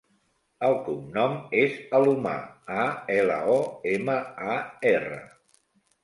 El cognom és Alomar: a, ela, o, ema, a, erra.